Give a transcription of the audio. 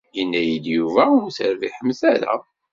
Yenna-yi-d Yuba ur terbiḥemt ara.